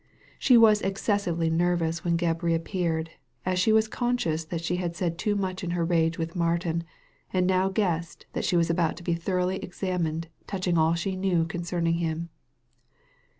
She was excessively nervous when Gebb reappeared, as she was conscious she had said too much in her rage with Martin, and now guessed that she was about to be thoroughly examined touching all she knew concerning him.